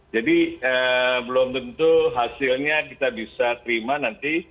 jadi belum tentu hasilnya kita bisa terima nanti